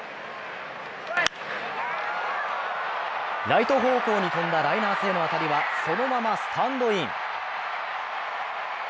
ライト方向に飛んだライナー性の当たりはそのままスタンドイン。